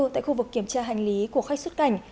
tại khu vực kiểm tra hành lý của khách xuất cảnh